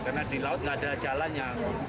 karena di laut nggak ada jalannya